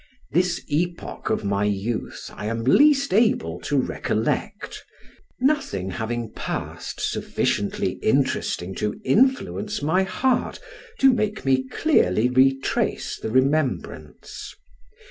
This epoch of my youth I am least able to recollect, nothing having passed sufficiently interesting to influence my heart, to make me clearly retrace the remembrance.